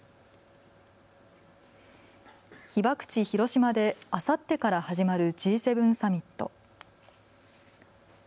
被爆地、広島であさってから始まるＧ７サミット。